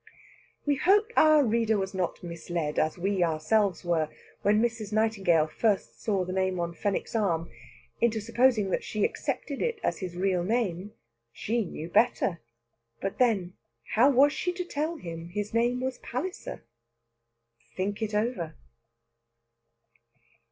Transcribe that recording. We hope our reader was not misled, as we ourselves were, when Mrs. Nightingale first saw the name on Fenwick's arm, into supposing that she accepted it as his real name. She knew better. But then, how was she to tell him his name was Palliser? Think it over.